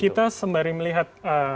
kita sembari melihat